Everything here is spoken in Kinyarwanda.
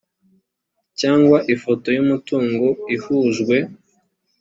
cyangwa ifoto y umutungo ihujwe